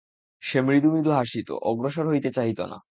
সে মৃদু মৃদু হাসিত, অগ্রসর হইতে চাহিত না।